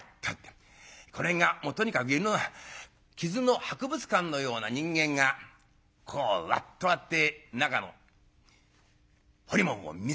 これがもうとにかく傷の博物館のような人間がこうワッと割って中の彫り物を見せながらやって来た。